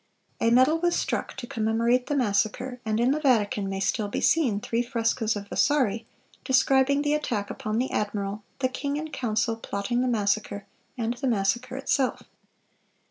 A medal was struck to commemorate the massacre, and in the Vatican may still be seen three frescoes of Vasari, describing the attack upon the admiral, the king in council plotting the massacre, and the massacre itself.